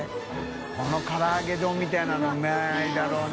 海唐揚げ丼みたいなのうまいだろうな。